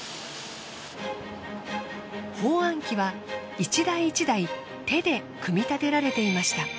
包あん機は１台１台手で組み立てられていました。